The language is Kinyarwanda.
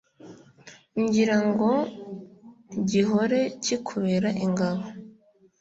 ngira ngo gihore kikubera ingabo